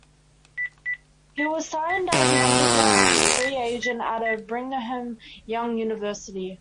He was signed as an undrafted free agent out of Brigham Young University.